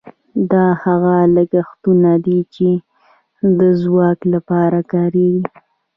دا هغه لګښتونه دي چې د ځواک لپاره کیږي.